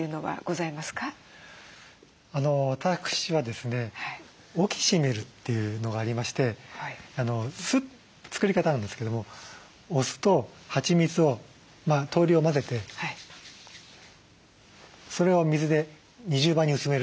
私はですねオキシメルというのがありまして作り方なんですけどもお酢とはちみつを等量混ぜてそれを水で２０倍に薄める。